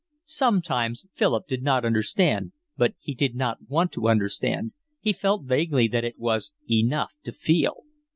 Sometimes Philip did not understand, but he did not want to understand, he felt vaguely that it was enough to feel.